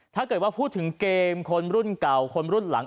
ถ้าเกิดว่าพูดถึงเกมคนรุ่นเก่าคนรุ่นหลัง